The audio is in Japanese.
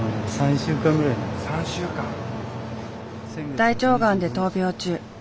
大腸がんで闘病中。